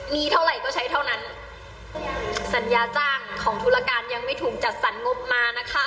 มีเท่าไหร่ก็ใช้เท่านั้นสัญญาจ้างของธุรการยังไม่ถูกจัดสรรงบมานะคะ